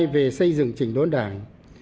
về xây dựng trình đốn đảng